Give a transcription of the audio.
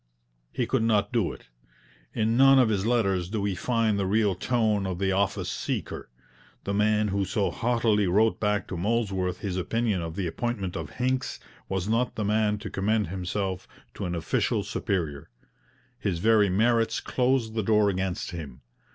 He could not do it. In none of his letters do we find the real tone of the office seeker. The man who so haughtily wrote back to Molesworth his opinion of the appointment of Hincks was not the man to commend himself to an official superior. His very merits closed the door against him.